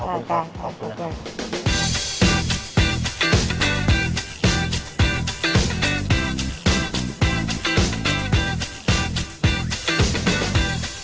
ขอบคุณครับ